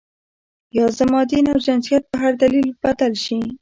یا زما دین او جنسیت په هر دلیل بدل شي.